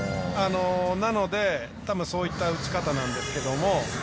なので、そういった打ち方なんですけども。